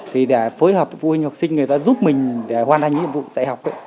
thì để phối hợp với phụ huynh học sinh người ta giúp mình để hoàn thành nhiệm vụ dạy học